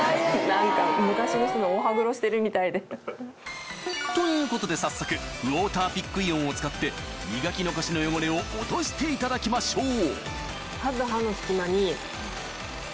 何か昔の人のお歯黒してるみたいで。ということで早速ウォーターピックイオンを使って磨き残しの汚れを落としていただきましょう